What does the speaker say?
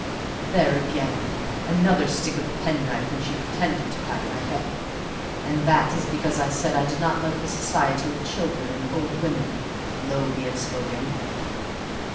"There again! Another stick of the penknife, when she pretended to pat my head: and that is because I said I did not like the society of children and old women (low be it spoken!).